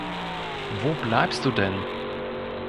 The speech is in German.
Wo bleibst du denn?